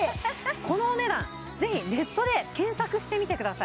このお値段ぜひネットで検索してみてくださ